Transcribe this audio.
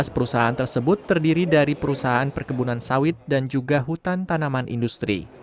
lima belas perusahaan tersebut terdiri dari perusahaan perkebunan sawit dan juga hutan tanaman industri